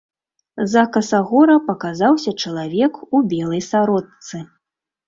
З-за касагора паказаўся чалавек у белай сарочцы.